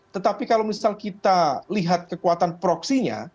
tetapi kalau misal kita lihat kekuatan proksinya